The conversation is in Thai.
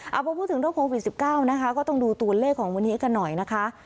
เอาพอพูดถึงเรื่องโควิด๑๙นะคะก็ต้องดูตัวเลขของวันนี้กันหน่อยนะคะ